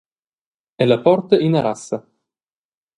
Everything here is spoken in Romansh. Ella porta ina rassa.